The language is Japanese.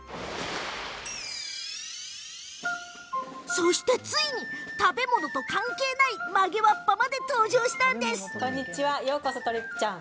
そして、ついに食べ物と関係ない曲げわっぱまで登場したんです。